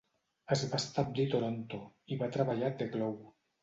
Es va establir a Toronto i va treballar a "The Globe".